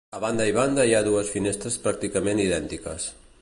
A banda i banda hi ha dues finestres pràcticament idèntiques.